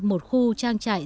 một khu trang trại